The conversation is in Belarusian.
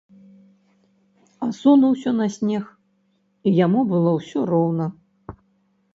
Асунуўся на снег, і яму было ўсё роўна.